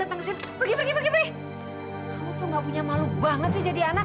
kamu tuh gak punya malu banget sih jadi anak